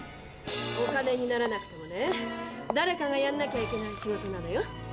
お金にならなくてもねだれかがやんなきゃいけない仕事なのよ。